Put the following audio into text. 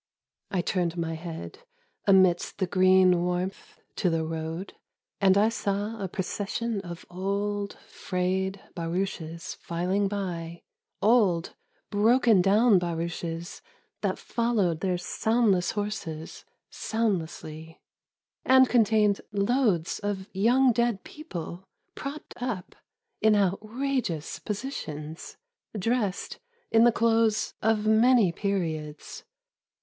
I turned my head, amidst the green warmth, to the road. And I saw a procession of old, frayed barouches filing by ; Old, broken down barouches that followed their soundless horses soundlessly, And contained loads of young dead people, propped up in outrageous positions; Dressed in the clothes of many periods.